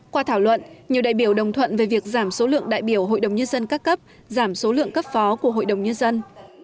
qua thảo luận nhiều đại biểu đồng thuận về việc giảm số lượng đại biểu hội đồng nhân dân các cấp giảm số lượng cấp phó của hội đồng nhân dân